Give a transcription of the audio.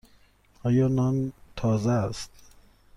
آیا نان تازه است؟